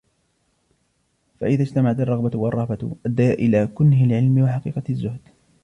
فَإِذَا اجْتَمَعَتْ الرَّغْبَةُ وَالرَّهْبَةُ أَدَّيَا إلَى كُنْهِ الْعِلْمِ وَحَقِيقَةِ الزُّهْدِ